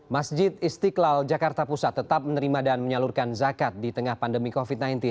masjid istiqlal jakarta pusat tetap menerima dan menyalurkan zakat di tengah pandemi covid sembilan belas